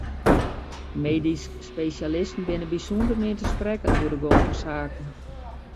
De medysk spesjalisten binne bysûnder min te sprekken oer de gong fan saken.